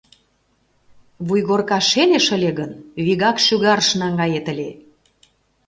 — Вуйгорка шелеш ыле гын, вигак шӱгарыш наҥгает ыле.